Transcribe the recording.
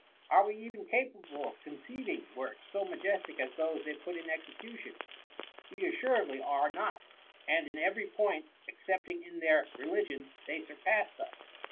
Are we even capable of conceiving works so majestic as those they put in execution ? We assuredly are not ; and in every point, excepting in their re ligion, they surpassed us."